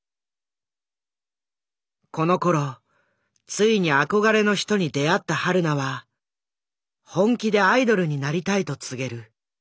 このころついに憧れの人に出会ったはるなは本気でアイドルになりたいと告げる。